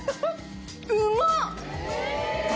うまっ！